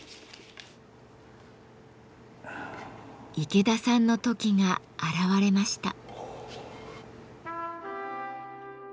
池田さんのトキが現れました。